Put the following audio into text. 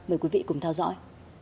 mời quý vị cùng theo dõi